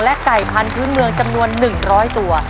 และไก่พันธุ์พื้นเมืองจำนวน๑๐๐ตัว